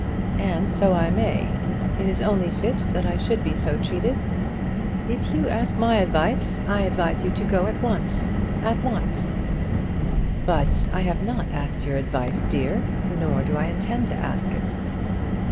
And so I may. It is only fit that I should be so treated. If you ask my advice, I advise you to go at once; at once." "But I have not asked your advice, dear; nor do I intend to ask it."